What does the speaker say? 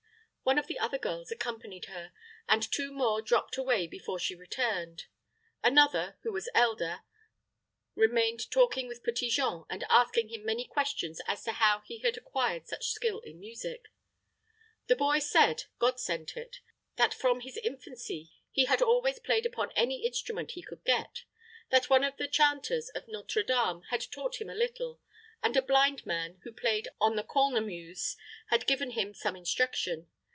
One of the other girls accompanied her, and two more dropped away before she returned. Another, who was elder, remained talking with Petit Jean, and asking him many questions as to how he had acquired such skill in music. The boy said, God sent it; that from his infancy he had always played upon any instrument he could get; that one of the chanters of Nôtre Dame had taught him a little, and a blind man, who played on the cornemuse, had given him some instruction.